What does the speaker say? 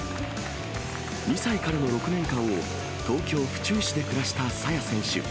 ２歳からの６年間を、東京・府中市で暮らした爽選手。